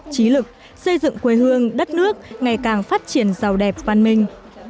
trí lực xây dựng quê hương đất nước ngày càng phát triển giàu đẹp văn minh